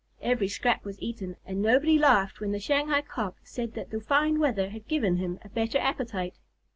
Every scrap was eaten, and nobody laughed when the Shanghai Cock said that the fine weather had given him a better appetite.